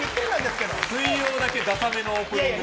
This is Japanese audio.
水曜だけダサめのオープニング。